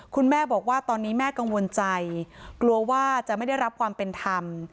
คุณแม่บอกว่าตอนนี้แม่กังวลใจกลัวว่าจะไม่ได้รับความเป็นธรรม